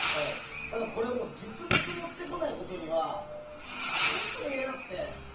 ただ、実物を持ってこないことには何とも言えなくて。